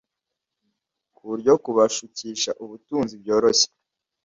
ku buryo kubashukisha ubutunzi byoroshye.